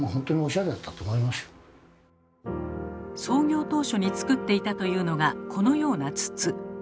創業当初に作っていたというのがこのような筒。